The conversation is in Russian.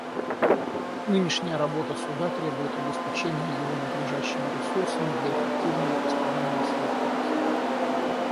Нынешняя работа Суда требует обеспечения его надлежащими ресурсами для эффективного исполнения своих функций.